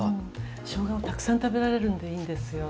しょうがをたくさん食べられるのでいいんですよ。